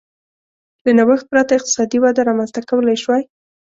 له نوښت پرته اقتصادي وده رامنځته کولای شوای.